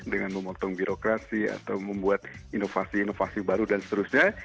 dengan memotong birokrasi atau membuat inovasi inovasi baru dan seterusnya